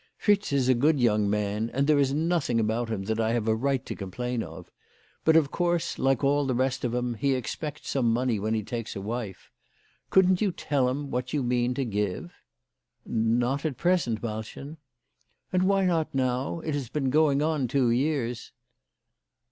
Fritz is a good young man, and there is nothing about him that I have a right to complain of. But of course, like all the rest of 'em, he expects some money when he takes a wife. Couldn't you tell him what you mean to give ?"" "Not at present, Malchen." ''And why not now? It has been going on two years."